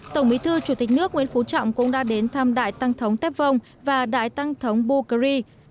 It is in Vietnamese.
tổng bí thư chủ tịch nước nguyễn phú trọng cũng đã đến thăm đại tăng thống tép vông và đại tăng thống bukhari